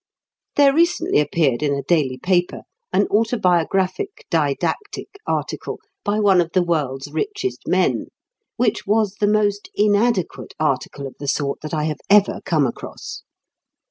There recently appeared in a daily paper an autobiographic didactic article by one of the world's richest men which was the most "inadequate" article of the sort that I have ever come across.